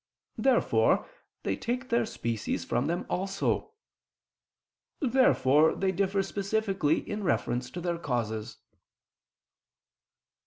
Therefore they take their species from them also. Therefore they differ specifically in reference to their causes.